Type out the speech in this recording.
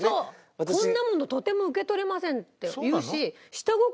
「こんな物とても受け取れません」って言うし。